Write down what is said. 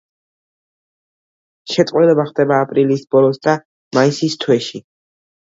შეწყვილება ხდება აპრილის ბოლოს და მაისის თვეში.